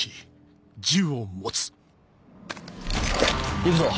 行くぞ。